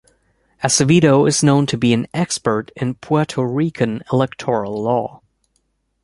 Acevedo is known to be an expert in Puerto Rican electoral law.